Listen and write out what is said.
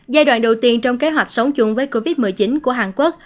giai đoạn đầu tiên trong kế hoạch sống chung với covid một mươi chín của hàn quốc